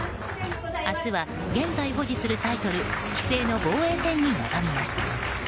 明日は、現在保持するタイトル棋聖の防衛戦に臨みます。